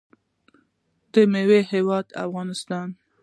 د میوو هیواد افغانستان.